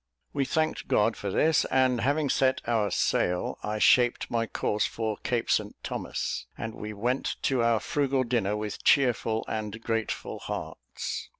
We thanked God for this; and having set our sail, I shaped my course for Cape St Thomas, and we went to our frugal dinner with cheerful and grateful hearts.